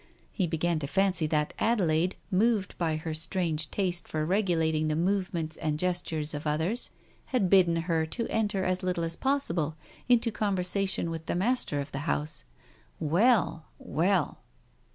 He began to fancy that Adelaide, moved by her strange taste for regulating the movements and gestures of others, had bidden her enter as little as pos sible into conversation with the master of the house. Well! Well!